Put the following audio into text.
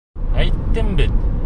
Әйттең бит.